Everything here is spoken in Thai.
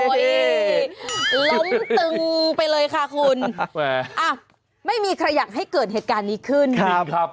ล้มตึงไปเลยค่ะคุณไม่มีใครอยากให้เกิดเหตุการณ์นี้ขึ้นครับ